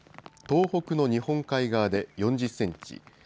東北の日本海側で４０センチ